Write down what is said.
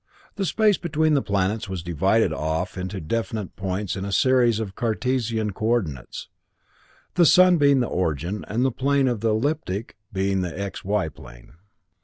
The space between the planets was divided off into definite points in a series of Cartesian co ordinates, the sun being the origin, and the plane of the elliptic being the X Y plane.